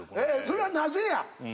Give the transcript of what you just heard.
それはなぜや？